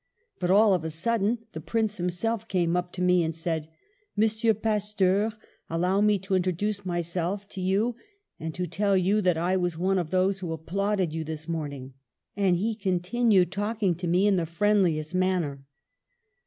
But all of a sudden the Prince himself came up to me and said: " 'Monsieur Pasteur, allow me to introduce myself to you, and to tell you that I was one of those who applauded you this morning/ And he continued talking to me in the friendliest manner."